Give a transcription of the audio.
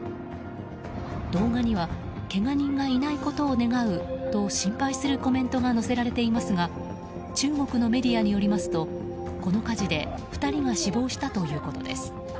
動画にはけが人がいないことを願うと心配するコメントが載せられていますが中国のメディアによりますとこの火事で２人が死亡したということです。